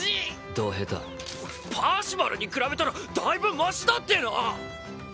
ドヘタパーシバルに比べたらだいぶマシだっての！